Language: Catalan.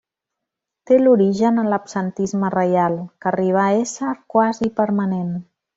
Té l'origen en l'absentisme reial, que arribà a ésser quasi permanent.